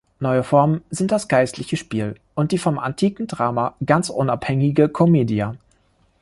Neue Formen sind das geistliche Spiel und die vom antiken Drama ganz unabhängige Comedia.